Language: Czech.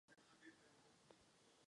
Její sídlo bylo v Panské ulici.